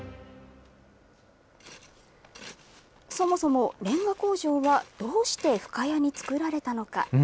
そもそも、れんが工場はどうして深谷に作られたのか。